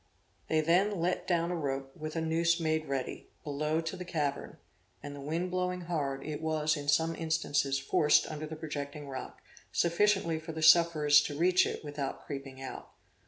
They then let down a rope with a noose ready made, below to the cavern, and the wind blowing hard, it was in some instances forced under the projecting rock, sufficiently for the sufferers to reach it, without creeping out.